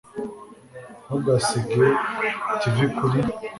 ntugasige tivi kuri